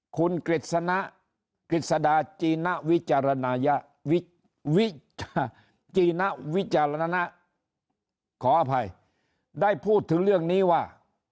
คุณกฤษดาจีนวิจารณาขออภัยได้พูดถึงเรื่องนี้ว่า